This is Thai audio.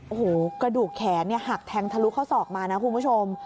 โอ้โหกระดูกแขนหักแทงทะลุข้อศอกมานะคุณผู้ชม